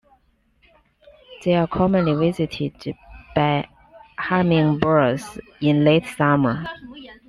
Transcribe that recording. They are commonly visited by hummingbirds in late summer.